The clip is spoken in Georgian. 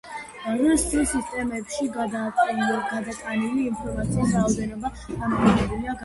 რს სისტემებში გადატანილი ინფორმაციის რაოდენობა დამოკიდებულია გადამტანი სიხშირის მოდულაციის სახეობაზე და სიხშირული ზოლის სიგანეზე.